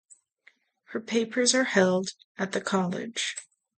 Her papers are held at the college.